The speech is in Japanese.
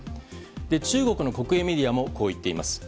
中国の国営メディアもこう言っています。